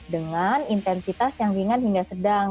dengan intensitas yang ringan hingga sedang